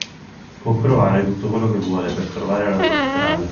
Può provare tutto quello che vuole per trovare la sua strada.